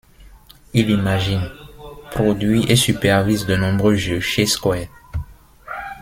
Il imagine, produit et supervise de nombreux jeux chez Square.